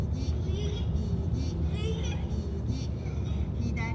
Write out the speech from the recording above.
ひだり！